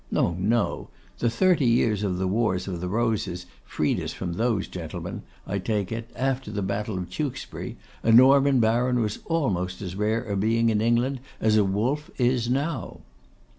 No, no; the thirty years of the wars of the Roses freed us from those gentlemen. I take it, after the battle of Tewkesbury, a Norman baron was almost as rare a being in England as a wolf is now.